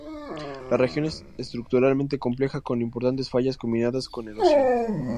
La región es estructuralmente compleja con importantes fallas combinadas con erosión.